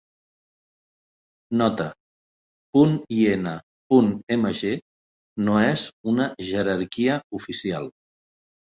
Nota: ".in.mg" no és una jerarquia oficial.